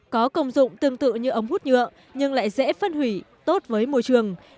có công dụng tương tự như ống hút nhựa nhưng lại dễ phân hủy tốt với môi trường